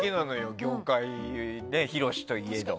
業界広しといえど。